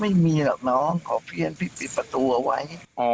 ไม่มีหรอกน้องขอเพี้ยนพี่ปิดประตูเอาไว้